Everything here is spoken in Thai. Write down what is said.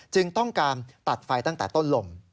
ต้องการตัดไฟตั้งแต่ต้นลม